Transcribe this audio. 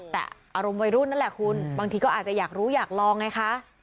แต่อารมณ์วัยรุ่นนั่นแหละคุณบางทีก็อาจจะอยากรู้อยากลองไงคะ